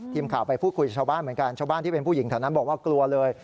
ทีมข่าวไปพูดคุยกับชาวบ้านเหมือนกันชาวบ้านที่เป็นผู้หญิงแถวนั้นบอกว่ากลัวเลย